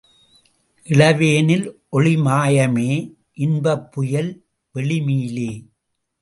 இளவேனில் ஒளிமாயமே இன்பப்புயல் வெளிமீலே.